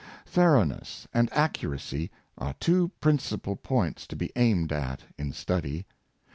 Thoroughness and accuracy are two principal points to be aimed at in study.